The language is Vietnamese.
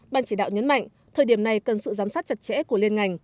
ban chỉ đạo nhấn mạnh thời điểm này cần sự giám sát chặt chẽ của liên ngành